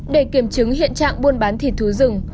để kiểm chứng hiện trạng buôn bán thịt thú rừng